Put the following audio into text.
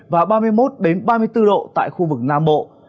và ba mươi một ba mươi bốn độ tại khu vực nam bộ